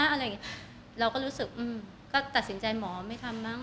อะไรอย่างเงี้ยเราก็รู้สึกอืมก็ตัดสินใจหมอไม่ทำมั้ง